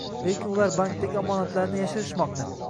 lekin ular bankdagi omonatlarini yashirishmoqda.